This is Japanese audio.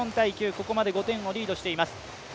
ここまで５点をリードしています。